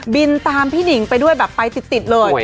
บินตามพี่หนิงไปด้วยแบบไปติดเลย